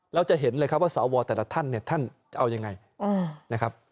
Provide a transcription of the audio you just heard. เราจะเห็นเลยครับว่าสวแต่ละท่านเนี่ยท่านจะเอายังไงนะครับ